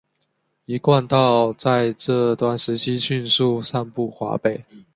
一贯道在这段时期迅速散布华北。